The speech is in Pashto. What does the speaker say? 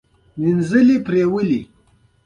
رئیس جمهور خپلو عسکرو ته امر وکړ؛ د ښوونځیو امنیت ونیسئ!